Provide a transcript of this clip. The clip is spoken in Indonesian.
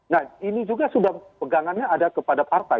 nah ini juga sudah pegangannya ada kepada partai